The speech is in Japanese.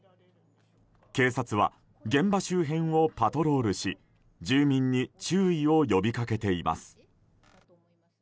警察は現場周辺をパトロールし住民に注意を呼び掛けています。